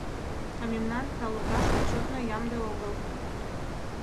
А мемнан талукаш отчётна ямде огыл.